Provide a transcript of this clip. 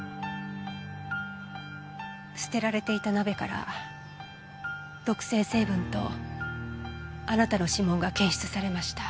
捨てられていた鍋から毒性成分とあなたの指紋が検出されました。